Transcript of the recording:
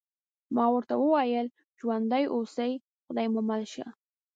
ما ورته وویل: ژوندي اوسئ، خدای مو مل شه.